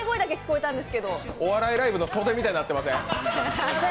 お笑いライブの袖みたいになってません？